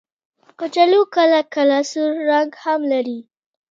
کچالو کله کله سور رنګ هم لري